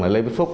là lê viết phúc